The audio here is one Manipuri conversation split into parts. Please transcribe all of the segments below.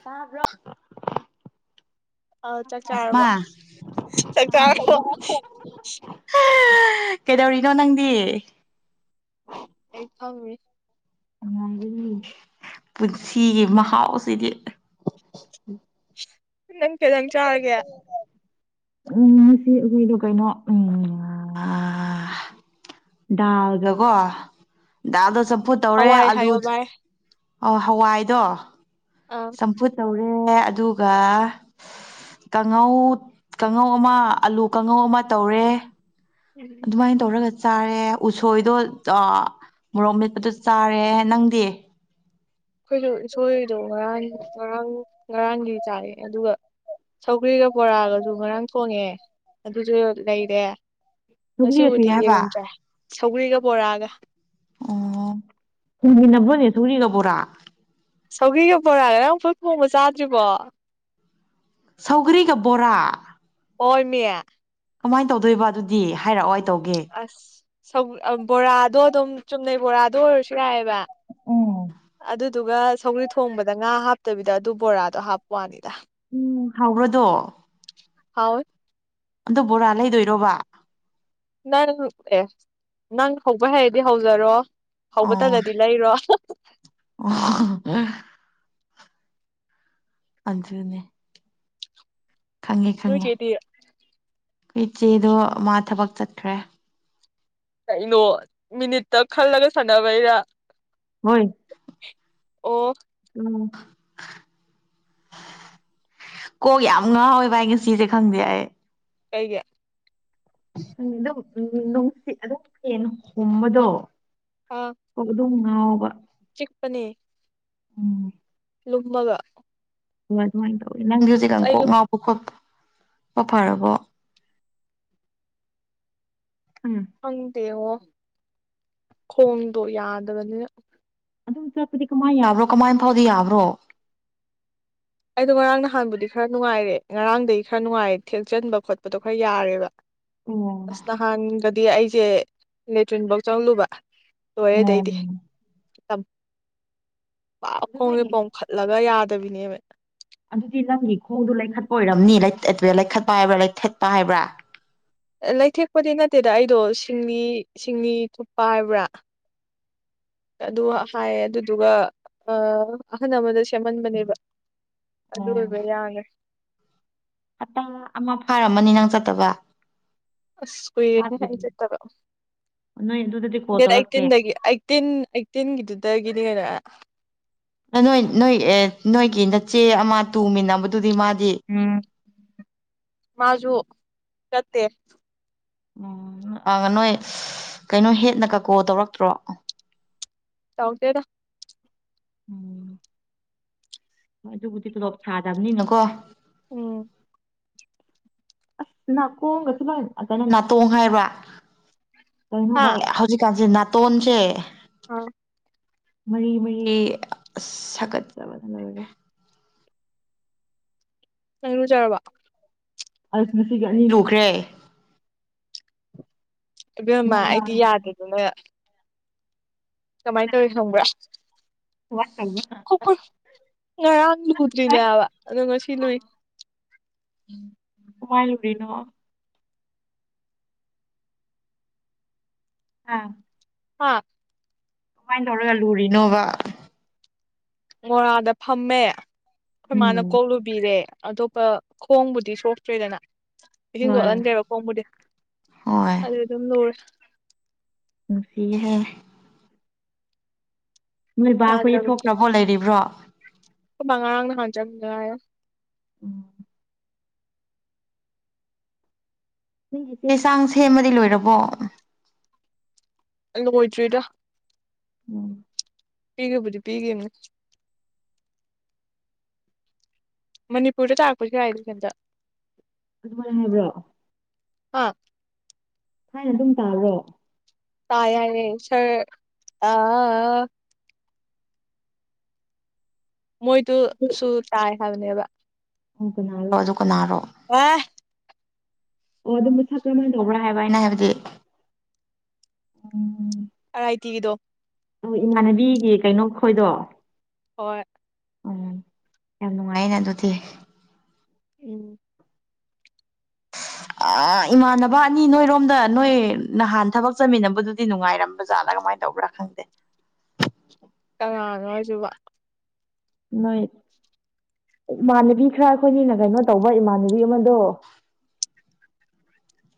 ꯇꯥꯔꯕꯔꯣ ꯑ ꯆꯥꯛ ꯆꯥꯔꯕꯣ ꯆꯥꯛ ꯆꯥꯔꯕꯣ [unintelligible] ꯀꯩꯗꯧꯔꯤꯅꯣ ꯅꯪꯗꯤ ꯑꯩ ꯐꯝꯃꯤ ꯄꯨꯟꯁꯤꯒꯤ ꯃꯍꯥꯎꯁꯤꯗꯤ [inaudible] ꯅꯪ ꯀꯩꯖꯥꯡ ꯆꯥꯔꯒꯦ ꯎꯝ ꯉꯁꯤ ꯑꯈꯣꯏꯗꯣ ꯀꯩꯅꯣ ꯎꯝ ꯑꯥ ꯗꯥꯜꯒꯀꯣ ꯗꯥꯜꯗꯣ ꯆꯝꯐꯨꯠ ꯇꯧꯔꯦ ꯍꯋꯥꯏ ꯑꯥꯂꯨ ꯍꯥꯏꯌꯣ ꯚꯥꯏ ꯑꯣ ꯍꯋꯥꯏꯗꯣ ꯑꯥ ꯆꯝꯐꯨꯠ ꯇꯧꯔꯦ ꯑꯗꯨꯒ ꯀꯥꯡꯉꯧ ꯀꯥꯡꯉꯧ ꯑꯃ ꯑꯥꯂꯨ ꯀꯥꯡꯉꯧ ꯑꯃ ꯇꯧꯔꯦ ꯑꯩꯈꯣꯏꯁꯨ ꯑꯗꯨꯃꯥꯏꯅ ꯇꯧꯔꯒ ꯆꯥꯔꯦ ꯎꯁꯣꯏꯗꯣ ꯃꯣꯔꯣꯛ ꯃꯦꯠꯄꯗꯣ ꯆꯥꯔꯦ ꯅꯪꯗꯤ ꯑꯈꯣꯏꯁꯨ ꯎꯁꯣꯏꯗꯣ ꯉꯔꯥꯡ ꯉꯔꯥꯡ ꯉꯔꯥꯡꯒꯤ ꯆꯥꯔꯦ ꯑꯗꯨꯒ ꯁꯧꯒ꯭ꯔꯤꯒ ꯕꯣꯔꯥꯒꯁꯨ ꯉꯔꯥꯡ ꯊꯣꯡꯉꯦ ꯑꯗꯨꯁꯨ ꯂꯩꯔꯦ ꯁꯧꯒ꯭ꯔꯤꯒ ꯉꯁꯤꯕꯨꯗꯤ ꯀꯔꯤ ꯍꯥꯏꯕ ꯌꯦꯔꯨꯝ ꯆꯥꯏ ꯁꯧꯒ꯭ꯔꯤꯒ ꯕꯣꯔꯥꯒ ꯑꯣ [unintelligible] ꯁꯧꯒꯔ꯭ꯤꯒ ꯕꯣꯔꯥ ꯁꯧꯒꯤꯒ ꯕꯣꯔꯥꯒ ꯅꯪ ꯄꯨꯟ ꯊꯣꯡꯕ ꯆꯥꯗ꯭ꯔꯤꯕꯣ ꯁꯧꯒꯔꯤꯒ ꯕꯣꯔꯥ ꯍꯣꯏꯃꯤ ꯀꯃꯥꯏ ꯇꯧꯗꯣꯏꯕ ꯑꯗꯨꯗꯤ ꯍꯥꯏꯔꯛꯑꯣ ꯇꯧꯒꯦ ꯑꯁ ꯕꯣꯔꯥꯗꯣ ꯑꯗꯨꯝ ꯆꯨꯝꯅꯩ ꯕꯣꯔꯥꯗꯣ ꯑꯣꯏꯔꯁꯨ ꯌꯥꯏꯑꯕ ꯎꯝ ꯑꯗꯨꯒ ꯁꯧꯒ꯭ꯔꯤ ꯊꯣꯡꯕꯗ ꯉꯥ ꯍꯥꯞꯇꯕꯤꯗ ꯑꯗꯨ ꯕꯣꯔꯥꯗꯣ ꯍꯥꯞꯄ ꯋꯥꯅꯤꯗ ꯎꯝ ꯍꯥꯎꯕꯔꯣ ꯗꯣ ꯍꯥꯎꯏ ꯑꯗꯨ ꯕꯣꯔꯥ ꯂꯩꯗꯣꯏꯔꯣꯕ ꯅꯪ ꯑꯦ ꯅꯪ ꯍꯧꯕ ꯍꯩꯔꯗꯤ ꯍꯧꯖꯔꯣ ꯍꯧꯕ ꯑꯣ ꯇꯟꯂꯗꯤ ꯂꯩꯔꯣ ꯑꯣ ꯑꯗꯨꯅꯦ ꯈꯪꯉꯦ ꯈꯪꯉꯦ ꯅꯣꯏꯒꯤꯗꯤ ꯏꯆꯦꯗꯣ ꯃꯥ ꯊꯕꯛ ꯆꯠꯈ꯭ꯔꯦ ꯀꯩꯅꯣ ꯃꯤꯅꯤꯠꯇ ꯈꯜꯂꯒ ꯁꯥꯟꯅꯕꯩꯔ ꯍꯣꯏ ꯑꯣ ꯎꯝ ꯀꯣ ꯌꯥꯝ ꯉꯥꯥꯎꯋꯦ ꯚꯥꯏ ꯉꯁꯤꯁꯦ ꯈꯪꯗꯦ ꯑꯩ ꯀꯩꯒꯤ ꯈꯡꯗꯦꯗ ꯎꯝ ꯅꯨꯡꯁꯤꯇ ꯑꯗꯨꯝ ꯐꯦꯟ ꯍꯨꯝꯕꯗꯣ ꯑꯥ ꯀꯣꯛ ꯑꯗꯨꯝ ꯉꯥꯎꯕ ꯆꯤꯛꯄꯅꯦ ꯎꯝ ꯂꯨꯝꯃꯒ ꯑꯗꯨꯃꯥꯏ ꯗꯨꯃꯥꯏꯟ ꯇꯧꯋꯤ ꯅꯪꯗꯤ ꯑꯁ ꯍꯧꯖꯤꯛꯀꯥꯟ ꯀꯣꯛ ꯑꯩꯁꯨ ꯉꯥꯎꯕ ꯈꯣꯠꯄ ꯈꯔ ꯐꯔꯕꯣ ꯎꯝ ꯈꯪꯗꯦꯉꯣ ꯈꯣꯡꯗꯣ ꯌꯥꯗꯕꯅꯤꯅ ꯑꯗꯨꯝ ꯆꯠꯄꯗꯤ ꯀꯃꯥꯏ ꯌꯥꯕ꯭ꯔꯣ ꯀꯃꯥꯏ ꯐꯥꯎꯗꯤ ꯌꯥꯕ꯭ꯔꯣ ꯑꯩꯗꯣ ꯉꯔꯥꯡ ꯅꯍꯥꯟꯕꯨꯗꯤ ꯈꯔ ꯅꯨꯡꯉꯥꯏꯔꯦ ꯉꯔꯥꯡꯗꯒꯤ ꯈꯔ ꯅꯨꯡꯉꯥꯏꯔꯦ ꯊꯦꯛꯆꯟꯕ ꯈꯣꯠꯄꯗꯣ ꯈꯔ ꯌꯥꯔꯦꯕ ꯑꯣ ꯑꯁ ꯅꯍꯥꯟꯒꯗꯤ ꯑꯩꯁꯦ ꯂꯦꯇ꯭ꯔꯤꯟꯐꯧ ꯆꯪꯂꯨꯕ ꯂꯣꯏꯔꯦ ꯑꯗꯩꯗꯤ ꯎꯝ ꯑꯝ ꯄꯥꯛ ꯑꯗꯨ ꯈꯣꯡꯁꯦ ꯅꯣꯏꯒꯤ ꯄꯣꯝꯈꯠꯂꯒ ꯌꯥꯗꯕꯤꯅꯦꯕ ꯑꯗꯨꯗꯤ ꯅꯪꯒꯤ ꯈꯣꯡꯗꯨ ꯂꯩꯈꯠꯄ ꯑꯣꯏꯔꯝꯅꯤ ꯑꯥ ꯑꯥ ꯇꯦ ꯂꯩꯈꯠꯄ ꯍꯥꯏꯕ꯭ꯔꯥ ꯂꯩꯊꯠꯄ ꯍꯥꯏꯕ꯭ꯔꯥ ꯑꯥ ꯂꯩꯊꯦꯛꯄꯗꯤ ꯅꯠꯇꯦꯗ ꯑꯩꯗꯣ ꯁꯤꯡꯂꯤ ꯁꯤꯡꯂꯤ ꯊꯨꯞꯄ ꯍꯥꯏꯕ꯭ꯔꯥ ꯑꯗꯨ ꯍꯥꯏꯌꯦ ꯑꯗꯨꯗꯨꯒ ꯑꯥ ꯑꯍꯟ ꯑꯃꯗ ꯁꯦꯝꯍꯟꯕꯅꯦꯕ ꯑꯗꯨ ꯑꯣꯏꯕ ꯌꯥꯔꯦ ꯍꯇꯥ ꯑꯃ ꯐꯥꯔꯝꯃꯅꯤ ꯅꯪ ꯆꯠꯇꯕ ꯑꯁ ꯀꯨꯢꯔꯦꯍꯦ ꯑꯩ ꯐꯥꯗ꯭ꯔꯤꯕꯅꯤ ꯆꯠꯇꯕ ꯅꯣꯏ ꯑꯗꯨꯗꯗꯤ ꯀꯣꯜ ꯗꯦꯠ ꯇꯧꯔꯛꯇꯦ ꯑꯩꯠꯇꯤꯟꯗꯒꯤ ꯑꯩꯠꯇꯤꯟ ꯑꯩꯠꯇꯤꯟꯒꯤꯗꯨꯗꯒꯤꯗꯤ ꯅꯦꯅ ꯅꯣꯏ ꯅꯣꯏ ꯑꯦ ꯅꯣꯏꯒꯤ ꯅꯆꯦ ꯑꯃ ꯇꯨꯃꯤꯟꯅꯕꯗꯨꯗꯤ ꯃꯥ ꯎꯝ ꯃꯥꯁꯨ ꯆꯠꯇꯦ ꯎꯝ ꯑ ꯅꯣꯏ ꯀꯩꯅꯣ ꯍꯦꯠꯅꯒ ꯀꯣꯜ ꯇꯧꯔꯛꯇ꯭ꯔꯣ ꯇꯧꯔꯛꯇꯦꯗ ꯎꯝ ꯑꯗꯨꯕꯨꯗꯤ ꯇꯣꯂꯣꯞ ꯁꯥꯗꯕꯅꯤꯅꯀꯣ ꯎꯝ ꯑꯁ ꯅꯥꯀꯣꯡꯒꯁꯨ ꯂꯣꯏ ꯑ ꯀꯩꯅꯣ ꯅꯥꯇꯣꯡ ꯍꯥꯏꯕ꯭ꯔꯥ ꯀꯩꯅꯣ ꯍꯥ ꯚꯥꯏ ꯍꯧꯖꯤꯛꯀꯥꯟꯁꯦ ꯅꯥꯇꯣꯟꯁꯦ ꯑꯥ ꯃꯔꯤ ꯃꯔꯤ ꯑꯁ ꯁꯥꯒꯠꯂꯕꯅ ꯂꯣꯢꯔꯦ ꯅꯪ ꯢꯔꯨꯖꯔꯕꯣ ꯑꯁ ꯉꯁꯤꯒꯤ ꯑꯅꯤ ꯂꯨꯈ꯭ꯔꯦ ꯢꯕꯦꯝꯃꯥ ꯑꯩꯗꯤ ꯅꯨꯡꯗꯥꯡ ꯌꯥꯗꯗꯅ ꯀꯃꯥꯏ ꯇꯧꯔꯦ ꯈꯪꯕ꯭ꯔꯥ ꯋꯥ ꯇꯨ ꯨ ꯀꯣꯛꯀ ꯉꯔꯥꯡ ꯂꯨꯗ꯭ꯔꯤꯅꯦꯌꯕ ꯑꯗꯨ ꯉꯁꯤ ꯂꯨꯏ ꯎꯝ ꯀꯃꯥꯏ ꯂꯨꯔꯤꯅꯣ ꯑꯥ ꯍꯥꯥ ꯀꯃꯥꯏ ꯇꯧꯔꯒ ꯂꯨꯔꯤꯅꯣꯕ ꯃꯣꯔꯥꯗ ꯐꯝꯃꯦ ꯑꯩꯈꯣꯏ ꯃꯥꯅ ꯎꯝ ꯀꯣꯛ ꯂꯨꯕꯤꯔꯦ ꯑꯇꯣꯞꯄ ꯈꯣꯡꯕꯨꯗꯤ ꯁꯣꯛꯇ꯭ꯔꯦꯗꯅ ꯏꯁꯤꯡ ꯍꯣꯏ ꯆꯣꯠꯍꯟꯗꯦꯕ ꯈꯣꯡꯕꯨꯗꯤ ꯍꯣꯏ ꯑꯗꯨ ꯑꯗꯨꯝ ꯂꯨꯔꯦ ꯅꯨꯡꯁꯤꯍꯦ ꯅꯣꯏ ꯕꯥꯈꯣꯏꯗꯤ ꯌꯥꯗ꯭ꯔꯕꯅꯤ ꯊꯣꯛꯈ꯭ꯔꯕꯣ ꯂꯩꯔꯤꯕ꯭ꯔꯣ ꯕꯥ ꯉꯔꯥꯡ ꯅꯍꯥꯟ ꯆꯪꯒꯤꯗ ꯉꯥꯢ ꯎꯝ ꯅꯪꯒꯤ ꯆꯦ ꯆꯥꯡ ꯁꯦꯝꯕꯗꯤ ꯂꯣꯏꯔꯕꯣ ꯂꯣꯢꯗ꯭ꯔꯤꯗ ꯎꯝ ꯄꯤꯒꯤ ꯕꯨꯗꯤ ꯄꯤꯒꯤꯕꯅꯦ ꯃꯅꯤꯄꯨꯔꯗ ꯇꯥꯔꯛꯄꯁꯨ ꯌꯥꯏꯗ ꯁꯦꯟꯇꯔ ꯑꯗꯨꯃꯥꯏ ꯍꯥꯏꯕ꯭ꯔꯣ ꯍꯥ ꯊꯥꯏꯅ ꯑꯗꯨꯝ ꯇꯥꯜꯂꯦ ꯇꯥꯏ ꯍꯥꯏꯌꯦ ꯁꯔ ꯑꯥꯥꯥ ꯑꯥ ꯑꯥ ꯃꯣꯏꯗꯨꯁꯨꯨ ꯇꯥꯏ ꯍꯥꯏꯕꯅꯦꯕ ꯑꯗꯨ ꯀꯅꯥꯔꯣ ꯑꯗꯨ ꯀꯅꯥꯔꯣ ꯂꯥꯛꯑꯦ ꯑꯣ ꯑꯗꯨꯝ ꯃꯁꯛ ꯀꯔꯃꯥꯏꯅ ꯇꯧꯕ꯭ꯔꯥ ꯍꯥꯏꯕ ꯑꯩꯅ ꯍꯥꯏꯕꯗꯤ ꯎꯝ ꯥ ꯑꯥꯏ ꯇꯤꯒꯤꯗꯣ ꯑꯣ ꯏꯃꯥꯟꯅꯕꯤꯒꯤ ꯀꯩꯅꯣ ꯈꯣꯏꯗꯣ ꯍꯣꯏ ꯌꯥꯝ ꯅꯨꯡꯉꯥꯏꯅ ꯑꯗꯨꯗꯤ ꯎꯝ ꯑꯥ ꯏꯃꯥꯟꯅꯕ ꯑꯅꯤ ꯅꯣꯏꯔꯣꯝꯗ ꯅꯣꯏ ꯅꯍꯥꯟ ꯊꯕꯛ ꯆꯠꯃꯤꯟꯅꯕꯗꯨꯗꯤ ꯅꯨꯡꯉꯥꯏꯔꯝꯕ ꯖꯥꯠꯂ ꯀꯃꯥꯏꯅ ꯇꯧꯕ꯭ꯔꯥ ꯈꯪꯗꯦ ꯀꯅꯥꯅꯣ ꯍꯥꯏꯁꯤꯕꯨ ꯅꯣꯏ ꯏꯃꯥꯟꯅꯕꯤ ꯈꯔ ꯑꯩꯈꯣꯏꯒꯤꯅ ꯀꯩꯅꯣ ꯇꯧꯕ ꯏꯃꯥꯟꯅꯕꯤ ꯑꯃꯗꯣ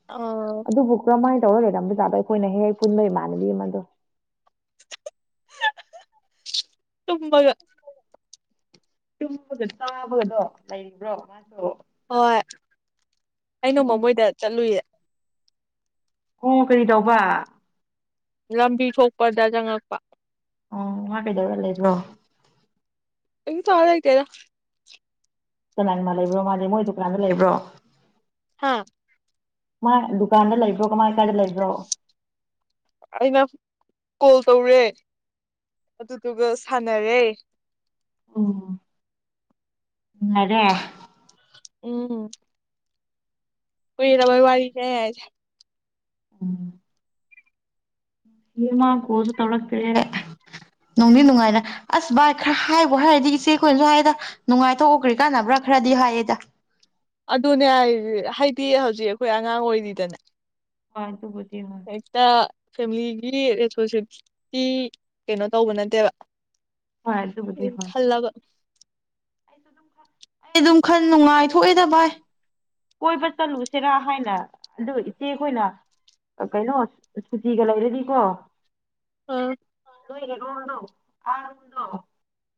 ꯑꯥ ꯑꯗꯨꯕꯨ ꯀꯔꯝꯍꯥꯏꯅ ꯇꯧꯔ ꯂꯩꯔꯝꯕꯖꯥꯗꯣ ꯑꯩꯈꯣꯏꯅ ꯍꯦꯛ ꯍꯦꯛ ꯄꯨꯟꯕ ꯏꯃꯥꯟꯅꯕꯤ ꯑꯃꯗꯣ ꯇꯨꯝꯕꯒ ꯇꯨꯝꯕꯒ ꯆꯥꯕꯒꯗꯣ ꯂꯩꯔꯤꯕ꯭ꯔꯣ ꯃꯥꯁꯨ ꯍꯣꯏ ꯑꯩꯅ ꯃꯃꯣꯏꯗ ꯆꯠꯂꯨꯌꯦ ꯎꯡ ꯀꯔꯤ ꯇꯧꯕ ꯂꯝꯕꯤ ꯊꯣꯛꯄꯗ ꯆꯪꯉꯛꯄ ꯑꯣ ꯃꯥ ꯀꯩꯗꯧꯔ ꯂꯩꯕ꯭ꯔꯣ ꯀꯩꯁꯨ ꯇꯧꯔ ꯂꯩꯇꯦꯗ ꯀꯅꯥ ꯀꯅꯥ ꯂꯩꯕ꯭ꯔꯣ ꯃꯥꯗꯤ ꯃꯣꯏ ꯗꯨꯀꯥꯟꯗ ꯂꯩꯕ꯭ꯔꯣ ꯍꯥꯥ ꯃꯥ ꯗꯨꯀꯥꯟꯗ ꯂꯩꯕ꯭ꯔꯣ ꯀꯃꯥꯏ ꯀꯥꯏꯗ ꯂꯩꯕ꯭ꯔꯣ ꯑꯩꯅ ꯀꯣꯜ ꯇꯧꯔꯦ ꯑꯗꯨꯗꯨꯒ ꯁꯥꯟꯅꯔꯦ ꯎꯝ ꯅꯨꯡꯉꯥꯏꯔꯦ ꯎꯝ ꯀꯨꯏꯔꯕ ꯋꯥꯔꯤꯅꯦ ꯑꯩ ꯍꯥꯏꯁꯦ ꯎꯝ ꯃꯥ ꯀꯣꯜꯁꯨ ꯇꯧꯔꯛꯇ꯭ꯔꯦ ꯅꯨꯡꯗꯤ ꯅꯨꯡꯉꯥꯏꯅ ꯑꯁ ꯚꯥꯏ ꯈꯔ ꯍꯥꯏꯕꯣ ꯍꯥꯏꯔꯗꯤ ꯏꯆꯦ ꯑꯩꯈꯣꯏꯅꯁꯨ ꯍꯥꯏꯗ ꯅꯨꯡꯉꯥꯏꯊꯣꯛꯎ ꯀ꯭ꯔꯤ ꯀꯥꯟꯅꯕ꯭ꯔꯥ ꯈꯔꯗꯤ ꯍꯥꯏꯌꯦꯗ ꯑꯗꯨꯅꯦ ꯍꯥꯏꯁꯦ ꯍꯥꯏꯗꯤ ꯍꯧꯖꯤꯛ ꯑꯩꯈꯣꯏ ꯑꯉꯥꯡ ꯑꯣꯏꯔꯤꯗꯅ ꯍꯣꯏ ꯇꯨꯕꯨꯗꯤ ꯍꯦꯛꯇ ꯐꯦꯃꯤꯂꯤꯒꯤ ꯔꯦꯁꯄꯣꯟꯁꯤꯕꯤꯂꯤꯇꯤ ꯀꯩꯅꯣ ꯇꯧꯕ ꯅꯠꯇꯦꯕ ꯍꯣꯏ ꯑꯗꯨꯕꯨꯗꯤ ꯗꯨꯏ ꯍꯣꯏ ꯈꯜꯂꯕ ꯑꯩ ꯑꯗꯨꯝ ꯈꯟ ꯅꯨꯡꯉꯥꯏꯊꯣꯛꯑꯦꯗ ꯚꯥꯏ ꯀꯣꯏꯕ ꯆꯠꯂꯨꯁꯤꯔꯥ ꯍꯥꯏꯅ ꯑꯗꯨ ꯏꯆꯦ ꯈꯣꯏꯅ ꯀꯩꯅꯣ ꯁꯨꯇꯤꯒ ꯂꯩꯔꯗꯤꯀꯣ ꯑꯥ ꯅꯣꯏꯒꯤ ꯔꯣꯟꯗꯣ [unintelligible]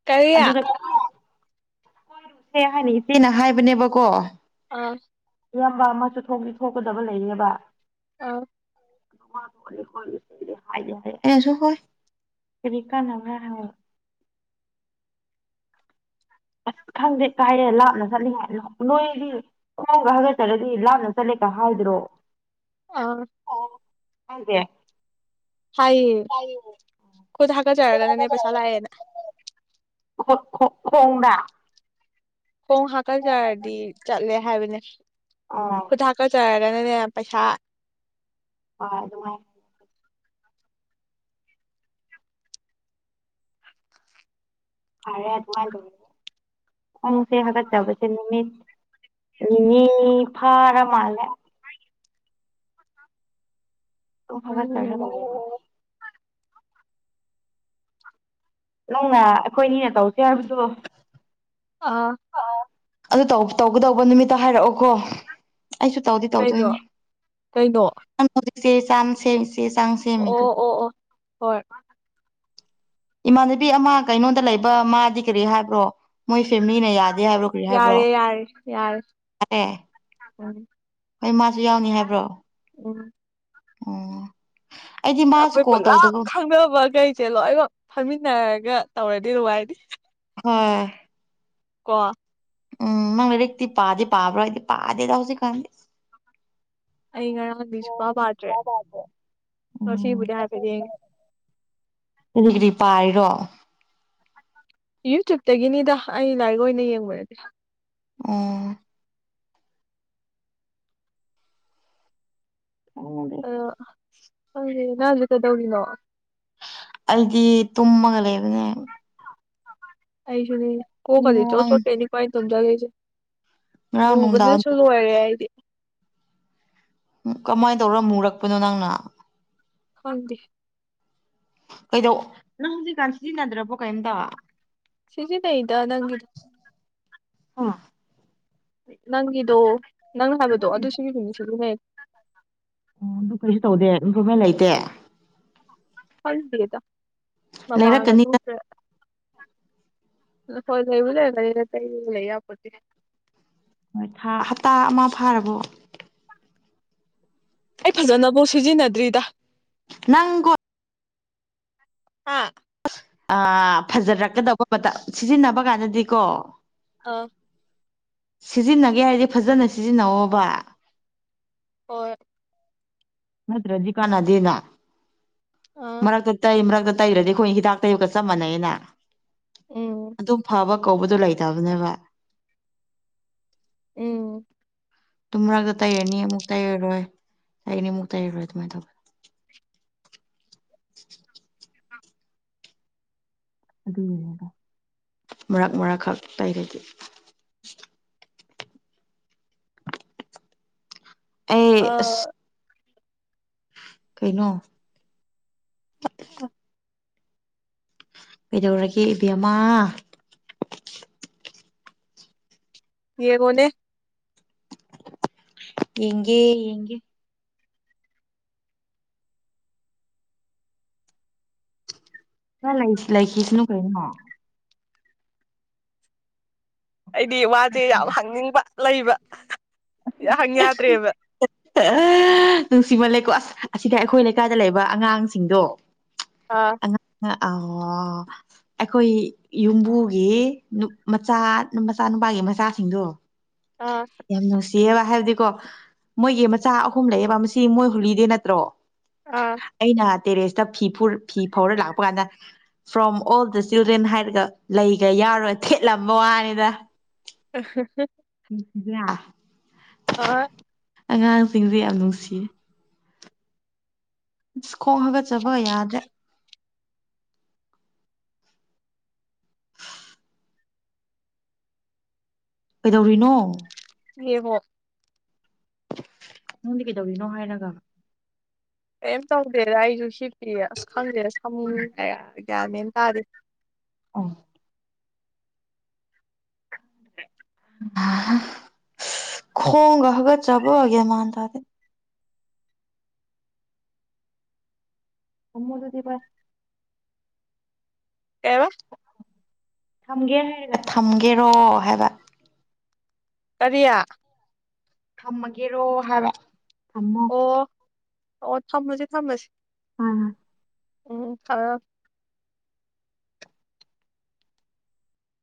ꯀꯔꯤ [unintelligible] ꯍꯥꯏꯅ ꯏꯆꯦꯅ ꯍꯥꯏꯕꯅꯦꯕꯀꯣ ꯑꯥ ꯏꯌꯥꯝꯕ ꯑꯃꯁꯨ ꯊꯣꯛꯇꯤ ꯊꯣꯛꯀꯗꯕ ꯂꯩꯌꯦꯕ ꯑꯧ [unintelligible] ꯑꯩꯅꯁꯨ ꯍꯣꯏ ꯀꯔꯤ ꯀꯥꯟꯅꯕꯔ ꯍꯥꯏ [inaudible] ꯑꯁ ꯈꯪꯗꯦ ꯀꯥꯏꯔꯦ ꯂꯥꯞꯅ ꯆꯠꯂꯤ ꯍꯥꯏ ꯅꯣꯏꯗꯤ ꯈꯣꯡꯄꯥꯛ ꯍꯒꯠꯆꯔꯗꯤ ꯂꯥꯞꯅ ꯆꯠꯂꯤ ꯇ ꯍꯥꯏꯗ꯭ꯔꯣ ꯑꯥ ꯍꯥꯏꯗꯦ ꯍꯥꯏꯌꯦ ꯈꯨꯠꯗ ꯍꯥꯒꯠ ꯆꯔꯒ ꯅꯅꯦ ꯄꯩꯁꯥ ꯂꯥꯛꯑꯦꯅ ꯈꯣ ꯈꯣ ꯈꯣꯡꯗ ꯈꯣꯡ ꯍꯥꯀꯠꯆꯔꯗꯤ ꯆꯠꯂꯦ ꯍꯥꯏꯕꯅꯦ ꯑꯥ ꯈꯨꯠ ꯍꯥꯀꯠꯆꯔ ꯅꯅꯦ ꯄꯩꯁꯥ ꯍꯣꯏ ꯑꯗꯨꯃꯥꯏꯅ [unintelligible] ꯈꯣꯡꯁꯦ ꯍꯥꯒꯠꯆꯕꯁꯦ ꯅꯨꯃꯤꯠ ꯅꯤꯅꯤ ꯐꯥꯔ ꯃꯥꯂꯦ ꯎꯝ [unintelligible] ꯅꯪꯅ ꯑꯩꯈꯣꯏ ꯑꯅꯤꯅ ꯇꯧꯁꯦ ꯍꯥꯏꯕꯗꯣ ꯑꯥ ꯑꯗꯨ ꯇꯧ ꯇꯧꯒꯗꯧꯕ ꯅꯨꯃꯤꯠꯇ ꯍꯥꯏꯔꯛꯑꯣꯀꯣ ꯑꯩꯁꯨ ꯇꯧꯗꯤ ꯀꯩꯅꯣ ꯇꯧꯗꯣꯏꯅꯦ ꯀꯩꯅꯣ ꯁꯦ ꯆꯥꯡ ꯁꯦ ꯆꯦ ꯆꯥꯡ ꯁꯦꯃꯤ ꯗꯣ ꯑꯣ ꯑꯣ ꯑꯣ ꯍꯣꯏ ꯏꯃꯥꯟꯅꯕꯤ ꯑꯃ ꯀꯩꯅꯣꯗ ꯂꯩꯕ ꯃꯥꯗꯤ ꯀꯔꯤ ꯍꯥꯏꯕ꯭ꯔꯣ ꯃꯣꯏ ꯐꯦꯝꯂꯤꯅ ꯌꯥꯗꯦ ꯍꯥꯏꯕ꯭ꯔꯣ ꯀꯔꯤ ꯍꯥꯏꯕ꯭ꯔꯣ ꯌꯥꯔꯦ ꯌꯥꯔꯦ ꯌꯥꯔꯦ ꯌꯥꯔꯦ [unintelligible] ꯍꯣꯏ ꯃꯥꯁꯨ ꯌꯥꯎꯅꯤ ꯍꯥꯏꯕ꯭ꯔꯣ ꯎꯝ ꯑꯣ ꯑꯩꯈꯣꯏ ꯄꯨꯜꯂꯞ ꯈꯪꯗꯅꯕꯈꯩꯁꯦ ꯂꯣꯏꯅꯃꯛ ꯐꯝꯃꯤꯟꯅꯔꯒ ꯇꯧꯔ ꯗꯤ ꯅꯨꯡꯉꯥꯏꯅꯤ ꯍꯣꯏ ꯀꯣ ꯎꯝ ꯅꯪ ꯂꯩꯔꯤꯛꯇꯤ ꯄꯥꯗꯤ ꯄꯥꯕ꯭ꯔꯥ ꯍꯥꯏꯗꯤ ꯄꯥꯗꯦꯗ ꯍꯧꯖꯤꯛ ꯀꯥꯟꯗꯤ ꯑꯩ ꯉꯔꯥꯡꯗꯤ ꯁꯨꯄꯥ ꯄꯥꯗ꯭ꯔꯦ ꯎꯝ ꯉꯁꯤꯕꯨꯗꯤ ꯍꯥꯏꯐꯦꯠ ꯌꯦꯡꯉꯦ ꯀꯔꯤ ꯀꯔꯤ ꯄꯥꯏꯔꯤꯔꯣ ꯌꯨꯇ꯭ꯨꯕꯇꯒꯤꯅꯤꯗ ꯑꯩ ꯂꯥꯏꯔꯤꯛ ꯑꯣꯏꯅ ꯌꯦꯡꯕ ꯅꯠꯇꯦ ꯑꯣ ꯑꯥ ꯈꯪꯗꯦ ꯅꯪ ꯍꯧꯖꯤꯛ ꯀꯩꯗꯧꯔꯤꯅꯣ ꯑꯩꯗꯤ ꯇꯨꯝꯃꯒ ꯂꯩꯕꯅꯦ ꯑꯩꯁꯨ ꯅꯤ ꯀꯣꯛꯀꯁꯦ ꯆꯣ ꯉꯔꯥꯡ ꯆꯣꯇ ꯈꯩꯅꯤꯀꯣ ꯑꯩꯅ ꯇꯨꯝꯖꯜꯂꯤꯁꯦ ꯉꯔꯥꯡ ꯅꯨꯡꯗꯥꯡ ꯃꯨꯕꯅꯁꯨ ꯂꯣꯏꯔꯦ ꯑꯩꯗꯤ ꯀꯃꯥꯏꯅ ꯇꯧꯔ ꯃꯨꯔꯛꯄꯅꯣ ꯅꯪꯅ ꯈꯪꯗꯦ ꯀꯩꯗꯧ ꯅꯪ ꯍꯧꯖꯤꯛꯀꯥꯟ ꯁꯤꯖꯤꯟꯅꯗ꯭ꯔꯕꯣ ꯀꯩꯝꯇ ꯁꯤꯖꯤꯟ ꯅꯩꯗ ꯅꯪꯒꯤ ꯅꯪꯒꯤꯗꯣ ꯅꯪ ꯍꯥꯏꯕꯗꯣ ꯑꯗꯨꯁꯤꯕꯨꯗꯤ ꯁꯤꯖꯤꯟꯅꯩ ꯑꯣ ꯑꯗꯨ ꯀꯩꯁꯨ ꯇꯧꯗꯦ ꯏꯝꯄ꯭ꯔꯨꯚꯃꯦꯟ ꯂꯩꯇꯦ ꯍꯜꯗꯦꯗ ꯃꯄꯥꯟꯒ ꯂꯩꯔꯛꯀꯅꯤꯗ ꯊꯣꯛꯇ꯭ꯔꯦ ꯂꯐꯣꯏ ꯂꯩꯕ ꯂꯩꯔꯝꯒꯅꯤꯗ ꯇꯗꯅ ꯂꯩ ꯌꯥꯄꯣꯇꯦ ꯃꯊꯥ ꯍꯞꯇꯥ ꯑꯃ ꯐꯥꯔꯕꯣ ꯑꯩ ꯐꯖꯅꯕꯧ ꯁꯤꯖꯤꯟꯅꯗ꯭ꯔꯤꯗ ꯅꯪꯒꯣ ꯑꯥ ꯑ ꯐꯖꯔꯛꯀꯗꯧꯕ ꯃꯇꯝ ꯁꯤꯖꯤꯟꯅꯕ ꯀꯥꯟꯗꯗꯤꯀꯣ ꯑꯥ ꯁꯤꯖꯤꯟꯅꯒꯦ ꯍꯥꯏꯔꯗꯤ ꯐꯖꯅ ꯁꯤꯖꯤꯟꯅꯧꯋꯣꯕ ꯍꯣꯢ ꯅꯠꯇ꯭ꯔꯗꯤ ꯀꯥꯅꯗꯦꯅꯥ ꯑ ꯃꯔꯇ ꯇꯩꯕ꯭ꯔꯇ ꯇꯩꯔꯗꯤ ꯈꯣꯏ ꯍꯤꯗꯥꯛ ꯇꯩꯕꯀ ꯆꯞ ꯃꯥꯟꯅꯩ ꯌꯦꯅ ꯎꯝ ꯑꯗꯨꯝ ꯐꯕ ꯀꯧꯕꯗꯨ ꯂꯩꯇꯕꯅꯦꯕ ꯏꯪ ꯇꯨꯝꯔꯒ ꯇꯩꯔꯅꯤ ꯑꯃꯨꯛ ꯇꯩꯔꯔꯣꯏ ꯇꯩꯅꯤ ꯑꯃꯨꯛ ꯇꯥꯏꯔꯔꯣꯏ ꯑꯗꯨꯃꯥꯏꯅ ꯇꯧ [inaudible] ꯑꯗꯨ ꯃꯔꯛ ꯃꯔꯛ ꯈꯛ ꯇꯩꯕꯒꯤ ꯑꯩ ꯑꯥ ꯑꯁ ꯀꯩꯅꯣ ꯍ ꯍ ꯀꯩꯗꯧꯔꯒꯦ ꯏꯕꯦꯝꯃ ꯌꯦꯡꯉꯣꯅꯦ ꯌꯦꯡꯒꯦ ꯌꯦꯡꯒꯦ ꯅꯪ ꯂꯩꯁꯤ ꯂꯩꯈꯤꯁꯅꯨ ꯀꯩꯅꯣ ꯑꯩꯗꯤ ꯋꯥꯁꯦ ꯌꯥꯝ ꯍꯪꯅꯤꯡꯕ ꯂꯩꯕ ꯌꯥꯝ ꯍꯪ ꯌꯥꯗ꯭ꯔꯦꯕ ꯅꯨꯡꯁꯤꯃꯜ ꯂꯦꯀꯣ ꯑꯁ ꯑꯁꯤꯗ ꯑꯩꯈꯣꯏ ꯂꯩꯀꯥꯏꯗ ꯂꯩꯕ ꯑꯉꯥꯡꯁꯤꯡꯗꯣ ꯑꯥ ꯑꯣ ꯑꯩꯈꯣꯏ ꯌꯨꯝꯕꯨꯒꯤ ꯅꯨꯞ ꯃꯆꯥ ꯃꯆꯥ ꯅꯨꯄꯥ ꯃꯥꯒꯤ ꯃꯆꯥꯁꯤꯡꯗꯣ ꯑꯥ ꯌꯥꯝ ꯅꯨꯡꯁꯤꯌꯦꯕ ꯍꯥꯏꯕꯗꯤ ꯀꯣ ꯃꯣꯏꯒꯤ ꯃꯆꯥ ꯑꯍꯨꯝ ꯂꯩꯌꯦꯕ ꯃꯁꯤ ꯃꯣꯏ ꯍꯨꯂꯤꯗꯦ ꯅꯠꯇ꯭ꯔꯣ ꯑꯥ ꯑꯩꯅ ꯇꯦꯔꯦꯁꯇ ꯐꯤ ꯐꯨꯔ ꯐꯤ ꯐꯧꯔ ꯂꯥꯛꯄ ꯀꯥꯟꯗ ꯐ꯭ꯔꯣꯝ ꯑꯣꯜ ꯗ ꯏꯁꯇꯨꯗ꯭ꯦꯟꯠ ꯍꯥꯏꯔꯒ ꯂꯩꯒ ꯌꯥꯎꯔꯣꯏ ꯊꯦꯠꯂꯝꯕ ꯋꯥꯅꯤ ꯔꯥ ꯑ ꯍ ꯍ ꯂꯥ ꯑ ꯑꯉꯥꯡꯁꯤꯡꯁꯦ ꯌꯥꯝ ꯅꯨꯡꯁꯤ ꯁ ꯈꯣꯡ ꯍꯥꯒꯠꯆꯕ ꯌꯥꯗ꯭ꯔꯦ ꯀꯩꯗꯧꯔꯤꯅꯣ ꯌꯦꯉꯣ ꯅꯪꯗꯤ ꯀꯩꯗꯧꯔꯤꯅꯣ ꯍꯥꯏꯔꯒ ꯀꯩꯝ ꯇꯧꯗꯦꯗ ꯑꯩꯁꯨ ꯍꯤꯞꯄꯤꯌꯦ ꯑꯁ ꯈꯪꯗꯦꯗ ꯁꯝ ꯀꯌꯥ ꯒ꯭ꯌꯥꯟ ꯃꯦꯟ ꯇꯥꯗꯦ ꯑꯣ ꯍ ꯈꯣꯡꯒ ꯍꯒꯠꯆꯕꯒ ꯒ꯭ꯌꯥꯟ ꯃꯥꯥꯟ ꯇꯗꯦ ꯊꯝꯃꯣ ꯑꯗꯨꯗꯤ ꯚꯥꯢ ꯀꯩꯕ ꯊꯝꯒꯦ ꯍꯥꯏꯔ ꯊꯝꯒꯦꯔꯣ ꯍꯥꯏꯕ ꯀꯔꯤ ꯊꯝꯃꯒꯦꯔꯣ ꯍꯥꯏꯕ ꯊꯝꯃꯣ ꯑꯣ ꯑꯣ ꯊꯝꯃꯁꯦ ꯊꯝꯃꯁꯦ ꯑ ꯎꯝ ꯐꯔ